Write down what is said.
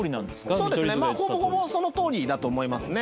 そうですねほぼほぼそのとおりだと思いますね。